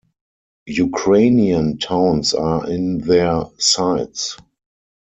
Ukrainian towns are in their sights.